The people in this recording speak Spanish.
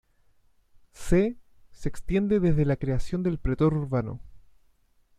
C se extiende desde la creación del pretor urbano.